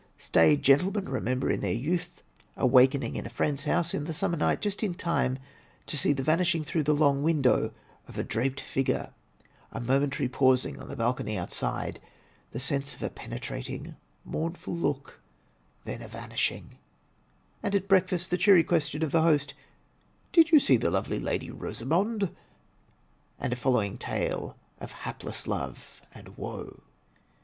Staid gentlemen remember in their youth awaking in 28 THE TECHNIQUE OF THE MYSTERY STORY a friend's house in the summer night just in time to see the vanishing through the long window of a draped figure; a momentary pausing on the balcony outside; the sense of a penetrating, mournful look; then a vanishing; and at break fast the cheery question of the host, "Did you see the lovely Lady Rosamond?" and a following tale of hapless love and woe.